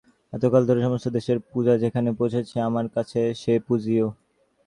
এতকাল ধরে সমস্ত দেশের পূজা যেখানে পৌঁচেছে আমার কাছে সে পূজনীয়।